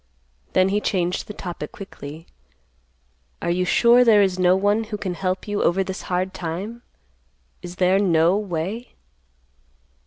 Then he changed the topic quickly. "Are you sure there is no one who can help you over this hard time? Is there no way?"